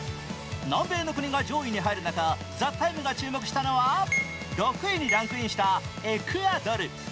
南米の国が上位に入る中、「ＴＨＥＴＩＭＥ，」が注目したのは、６位にランクインしたエクアドル。